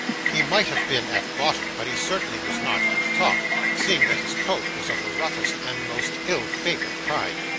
He might have been at bottom, but he certainly was not at top, seeing that his coat was of the roughest and most ill favoured kind.